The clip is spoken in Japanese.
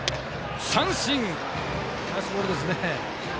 ナイスボールですね。